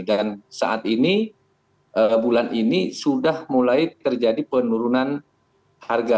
dan saat ini bulan ini sudah mulai terjadi penurunan harga